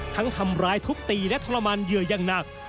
ทำร้ายทุบตีและทรมานเหยื่ออย่างหนัก